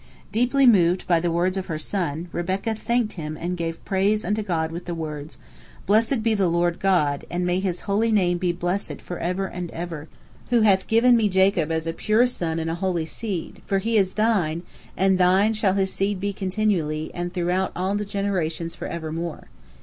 Deeply moved by the words of her son, Rebekah thanked him and gave praise unto God with the words: "Blessed be the Lord God, and may His Holy Name be blessed for ever and ever, who hath given me Jacob as a pure son and a holy seed; for he is Thine, and Thine shall his seed be continually and throughout all the generations for evermore.